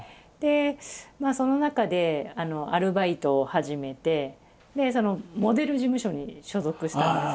その中でアルバイトを始めてモデル事務所に所属したんです。